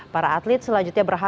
para atlet selanjutnya berhampiran